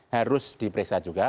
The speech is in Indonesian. harus diperiksa juga